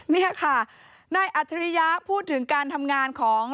นี่ค่ะนายอัจฉริยะพูดถึงการทำงานของ